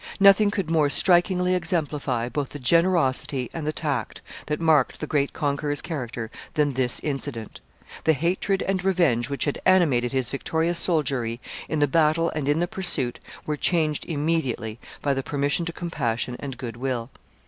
Nothing could more strikingly exemplify both the generosity and the tact that marked the great conqueror's character than this incident. The hatred and revenge which had animated his victorious soldiery in the battle and in the pursuit, were changed immediately by the permission to compassion and good will.